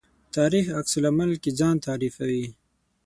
تاریخ عکس العمل کې ځان تعریفوي.